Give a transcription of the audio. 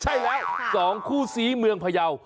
ใช่แล้วสองคู่ศรีเมืองพะเยาว์